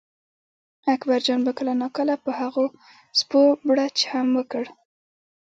اکبرجان به کله ناکله په هغو سپو بړچ هم وکړ.